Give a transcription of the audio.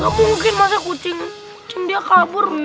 gak mungkin masa kucing dia kabur